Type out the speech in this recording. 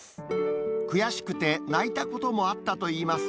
悔しくて泣いたこともあったといいます。